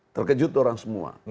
terkejut orang semua